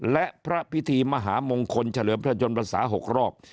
และพระพิธีมหามงคลเฉลิมท่านจนรัฐศาสตร์๖รอบ